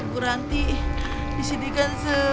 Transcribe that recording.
kurang diowyasin diganti